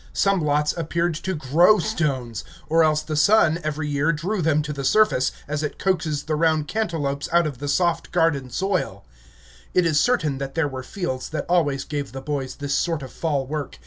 Some lots appeared to grow stones, or else the sun every year drew them to the surface, as it coaxes the round cantelopes out of the soft garden soil; it is certain that there were fields that always gave the boys this sort of fall work.